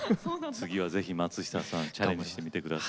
次はぜひ松下さんチャレンジしてみて下さい。